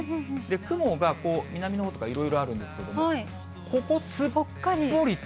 雲がこう、南のほうとか、いろいろあるんですけど、ここ、すっぽりと。